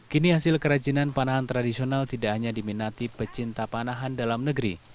kini hasil kerajinan panahan tradisional tidak hanya diminati pecinta panahan dalam negeri